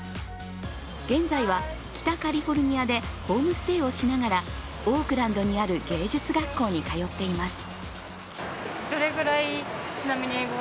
現在は、北カリフォルニアでホームステイをしながらオークランドにある芸術学校に通っています。